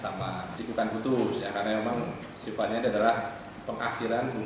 sama cikukan putus ya karena memang sifatnya adalah pengakhiran